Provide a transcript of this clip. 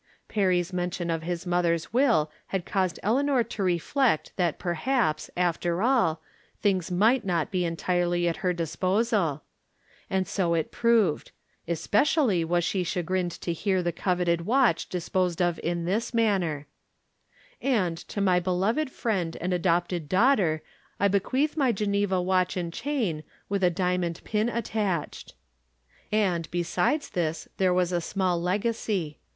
Perry's mention of his mother's ■will had caused Eleanor to reflect that perhaps, after all, things might not be entirely at her disposal ; and so it proved. Especially was she chagrined to hear the coveted watch disposed of in this manner : "And to my beloved friend and adopted daughter, I bequeath my Geneva watch and chain, with a diamond pin attached." And, besides this, there was a small legacy.